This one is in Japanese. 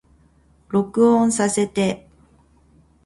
録音させて